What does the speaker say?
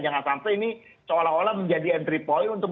jangan sampai ini seolah olah menjadi hal yang tidak terlalu baik